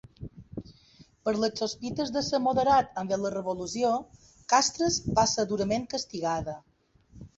Per les sospites de ser moderat envers la Revolució, Castres va ser durament castigada.